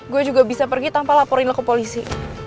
gue juga bisa pergi tanpa laporin lo ke polisi